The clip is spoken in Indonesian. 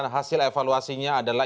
hasil evaluasinya adalah